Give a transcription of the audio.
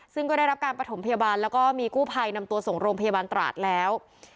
ซึ่งก็ได้รับการประถมพยาบาลแล้วก็มีกู้ภัยนำตัวส่งโรงพยาบาลตราดแล้ว